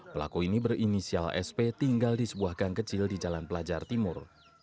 pelaku ini berinisial sp tinggal di sebuah gang kecil di jalan pelajar timur